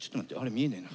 見えねえな。